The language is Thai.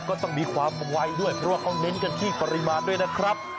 ก็ต้องมีความไวด้วยเพราะว่าเขาเน้นกันที่ปริมาณด้วยนะครับ